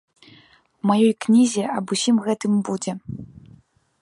У маёй кнізе аб усім гэтым будзе.